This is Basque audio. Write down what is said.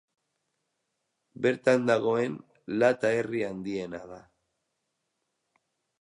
Bertan dagoen Lata herri handiena da.